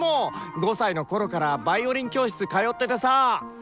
５歳のころからヴァイオリン教室通っててさ。